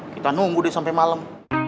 kita nunggu deh sampe malem